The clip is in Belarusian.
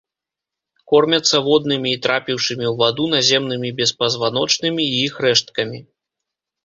Кормяцца воднымі і трапіўшымі ў ваду наземнымі беспазваночнымі і іх рэшткамі.